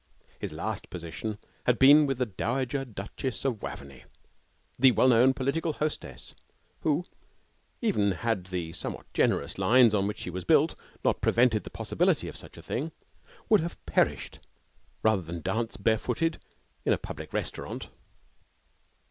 His last position had been with the Dowager Duchess of Waveney, the well known political hostess, who even had the somewhat generous lines on which she was built not prevented the possibility of such a thing would have perished rather than dance barefooted in a public restaurant.